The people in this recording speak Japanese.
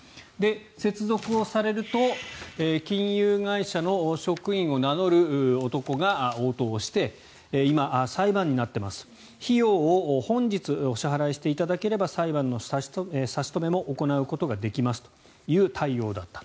接続されると金融会社の職員を名乗る男が応答して今、裁判になっています費用を本日、お支払いしていただければ裁判の差し止めも行うことができますという対応だったと。